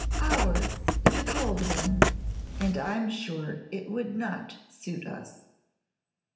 "Ours is a cold one, and I 'm sure it would not suit us."